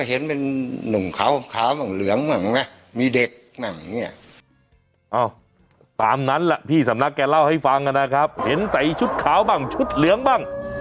เอ้าตามนั้นแหละพี่สำนักแกเล่าให้ฟังนะครับเห็นใส่ชุดขาวบ้างชุดเหลืองบ้าง